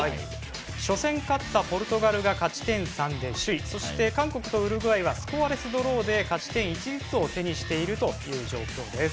初戦を勝ったポルトガルが勝ち点３で首位そして韓国とウルグアイはスコアレスドローで勝ち点１ずつを手にしているという状況です。